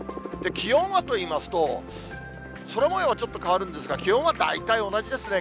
気温はといいますと、空もようはちょっと変わるんですが、気温は大体同じですね。